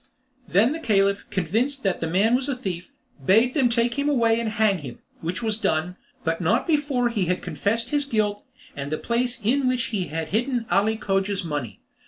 Then the Caliph, convinced that the man was a thief, bade them take him away and hang him, which was done, but not before he had confessed his guilt and the place in which he had hidden Ali Cogia's money.